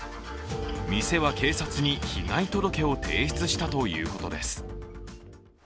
店は警察に被害届を提出したということです。